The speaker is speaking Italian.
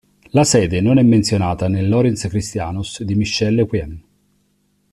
La sede non è menzionata nell"'Oriens christianus" di Michel Lequien.